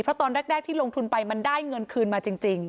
เพราะตอนแรกที่ลงทุนไปมันได้เงินคืนมาจริง